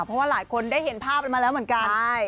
เพราะว่าหลายคนได้เห็นภาพกันมาแล้วเหมือนกัน